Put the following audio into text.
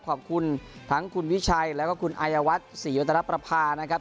ขอบคุณทั้งคุณวิชัยแล้วก็คุณอายวัฒน์ศรีวัตนประพานะครับ